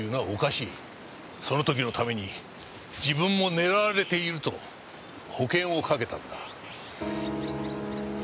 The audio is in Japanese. その時のために自分も狙われていると保険をかけたんだ。